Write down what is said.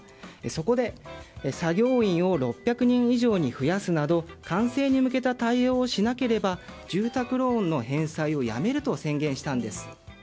そこで、作業員を６００人以上に増やすなど完成に向けた対応をしなければ住宅ローンの返済をやめると宣言したんです。